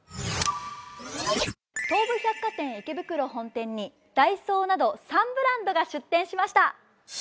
東武百貨店池袋本店にダイソーなど３ブランドが出店しました。